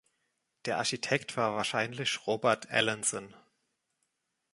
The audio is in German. Der Architekt war wahrscheinlich Robert Allanson.